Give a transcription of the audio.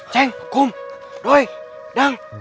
ceng kum doi dang